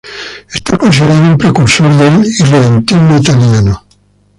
Es considerado un precursor del irredentismo italiano.